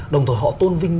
đồng thời họ tôn vinh